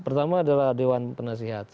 pertama adalah dewan penasihat